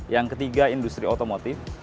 yang ketiga industri otomotif